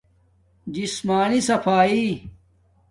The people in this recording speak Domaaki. جسمانی صفایݵ